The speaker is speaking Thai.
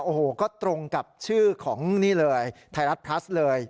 โอ้โหก็ตรงกับชื่อของนี่เลยไทยรัฐพลัสเลย